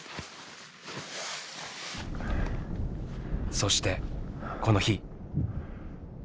そしてこの日。